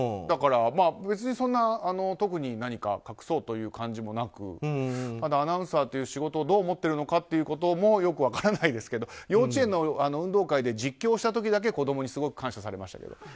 だから、別にそんな特に何か隠そうという感じもなくアナウンサーという仕事をどう思ってるのかということもよく分からないですけど幼稚園の運動会で実況をした時だけ子供にすごく感謝されましたけど。